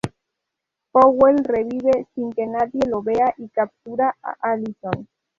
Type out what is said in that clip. Powell revive sin que nadie lo vea y captura a Allison.